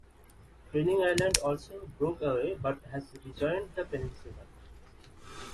Fenning Island also broke away but has rejoined the peninsula.